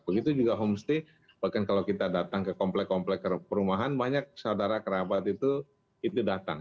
begitu juga homestay bahkan kalau kita datang ke komplek komplek perumahan banyak saudara kerabat itu datang